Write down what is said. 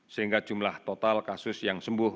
sehingga jumlah total kasus yang sembuh